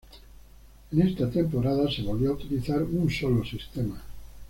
En esta temporada se volvió a utilizar un sólo sistema.